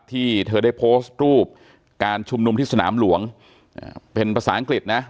ที่เธอได้โพสต์รูปการชุมนุมที่สนามหลวงเป็นภาษาอังกฤษนะ